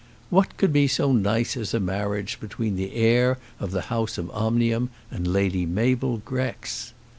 What could be so nice as a marriage between the heir of the house of Omnium and Lady Mabel Grex?